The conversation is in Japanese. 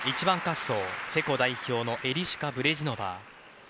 １番滑走、チェコ代表のエリシュカ・ブレジノバー。